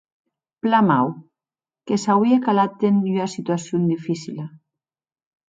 Plan mau; que s’auie calat en ua situacion dificila.